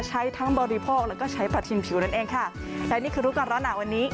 ใช้ทั้งบริโภคแล้วก็ใช้ประทินผิวนั่นเองค่ะและนี่คือรู้ก่อนร้อนหนาวันนี้